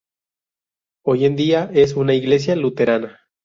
Hoy en día, es una iglesia luterana.